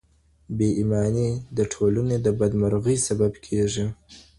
بې ایماني د ټولني د بدمرغۍ سبب کیږي.